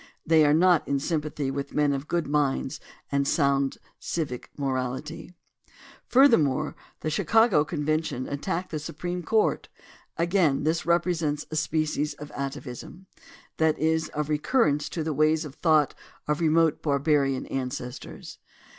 They are not in sympathy with men of good minds and sound civic morality. ... Furthermore, the Chicago convention attacked the Supreme THE DEMOCRACY OF ABRAHAM LINCOLN 133 Court. Again this represents a species of atavism — that is, of recurrence to the ways of thought of remote barbarian an cestors.